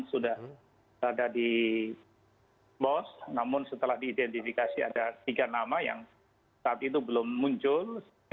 sudah ada di bos namun setelah diidentifikasi ada tiga nama yang saat itu belum muncul